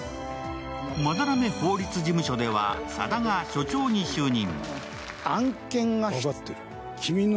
班目法律事務所では佐田が所長に就任。